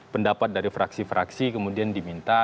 pendapat dari fraksi fraksi kemudian diminta